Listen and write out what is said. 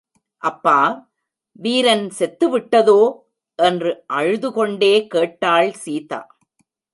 அப்பா, வீரன் செத்துவிட்டதோ! என்று அழுது கொண்டே கேட்டாள் சீதா.